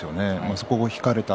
そこを引かれた。